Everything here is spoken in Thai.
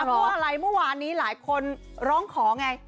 เพราะอะไรเมื่อวานนี้หลายคนร้องขอไง